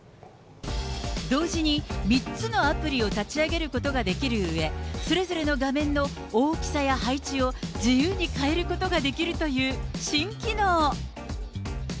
同時に３つのアプリを立ち上げることができるうえ、それぞれの画面の大きさや配置を自由に変えることができるという新機能。